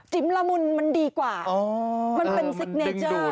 ละมุนมันดีกว่ามันเป็นซิกเนเจอร์